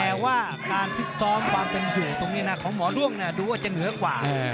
แต่ว่าการฟิตซ้อมความเป็นอยู่ตรงนี้นะของหมอด้วงดูว่าจะเหนือกว่า